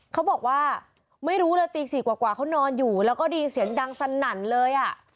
เขาบอกว่าไม่รู้เลยตี๔กว่าเขานอนอยู่แล้วก็ได้ยินเสียงดังสนั่นเลยอ่ะ